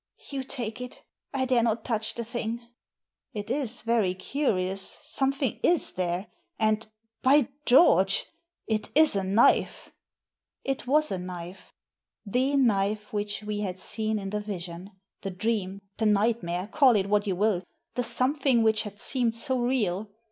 " You take it ; I dare not touch the thing." Digitized by VjOOQIC THE HOUSEBOAT 293 " It is very curious ; something is there, and, by George, it is a knife !" It was a knife — the knife which we had seen in the vision, the dream, the nightmare, call it what you will — the something which had seemed so real.